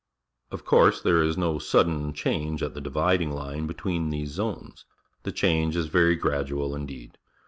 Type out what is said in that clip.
Of course, there is no sudden change at the dividing line between these zones. The change is very gradual indeed.